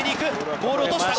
ボールを落としたが。